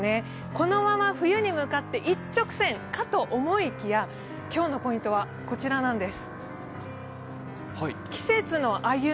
このまま冬に向かって一直線かと思いきや今日のポイントはこちらなんです。